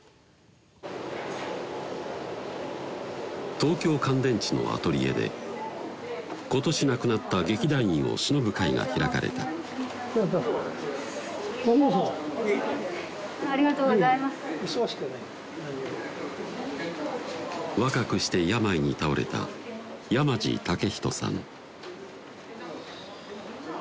「東京乾電池」のアトリエで今年亡くなった劇団員をしのぶ会が開かれたご苦労さまありがとうございますいえ忙しくはないんだ若くして病に倒れた山地健仁さん